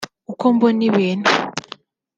uko mbona ibintu